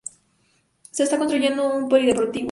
Se está construyendo un polideportivo.